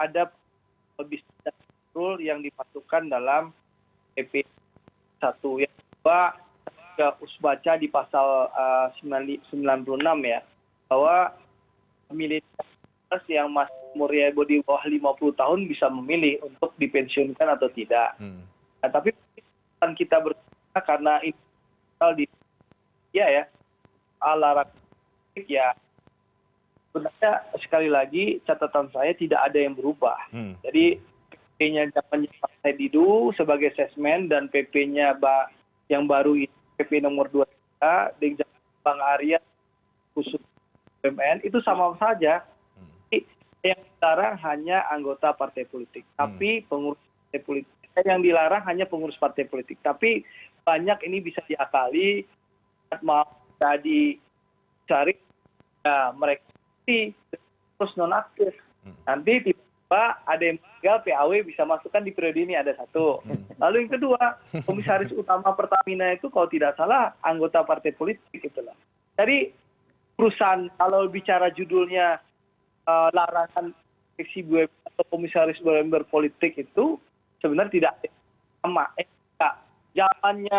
dari anda saya sebenarnya saya penganut bahwa hukum korporasi harus berlaku di bum itu saya